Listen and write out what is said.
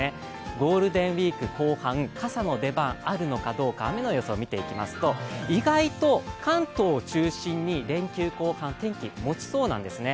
ゴールデンウイーク後半傘の出番あるのかどうか雨の予想を見ていきますと、意外と関東を中心に連休後半、天気、もちそうなんですね。